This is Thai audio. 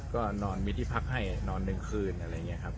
ก็นอนมีที่พักให้นอน๑คืนอะไรอย่างนี้ครับ